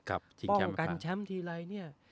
ครับชิงแชมป์ค่ะป้องกันแชมป์ทีไรเนี่ย